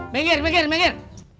mengir mengir mengir